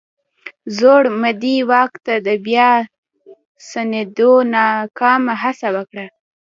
زوړ مدعي واک ته د بیا ستنېدو ناکامه هڅه وکړه.